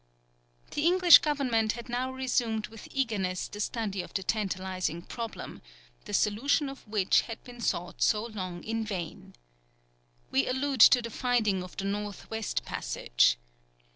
The English government had now resumed with eagerness the study of the tantalizing problem, the solution of which had been sought so long in vain. We allude to the finding of the north west passage.